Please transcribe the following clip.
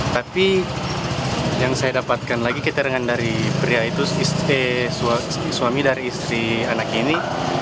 tapi yang saya dapatkan lagi keterangan dari suami dari istri anak ini